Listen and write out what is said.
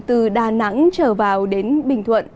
từ đà nẵng trở vào đến bình thuận